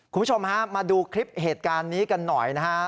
คุณผู้ชมฮะมาดูคลิปเหตุการณ์นี้กันหน่อยนะฮะ